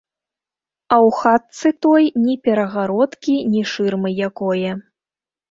А ў хатцы той ні перагародкі, ні шырмы якое.